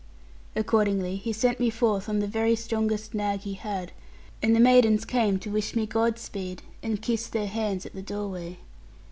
Accordingly he sent me forth on the very strongest nag he had, and the maidens came to wish me God speed, and kissed their hands at the doorway.